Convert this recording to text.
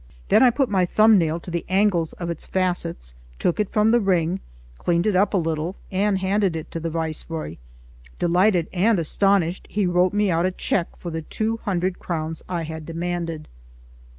Then I put my thumb nail to the angels of its facets, took it from the ring, cleaned it up a little, and handed it to the Viceroy. Delighted and astonished, he wrote me out a cheque for the two hundred crowns I had demanded.